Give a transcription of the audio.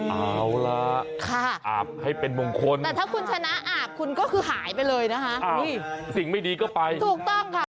เอาล่ะอาบให้เป็นมงคลแต่ถ้าคุณชนะอาบคุณก็คือหายไปเลยนะคะสิ่งไม่ดีก็ไปถูกต้องค่ะ